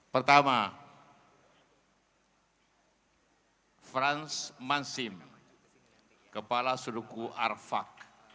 pertama franz mansim kepala suluku arfak